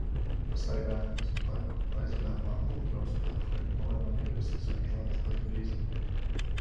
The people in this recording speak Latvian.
Pastaigājamies pa parku, aizvedām mammu un, braucot atpakaļ, nolēmām iegriezties veikalā tepat Grīziņā.